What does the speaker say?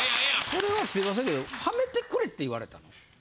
それはすいませけどはめてくれって言われたの？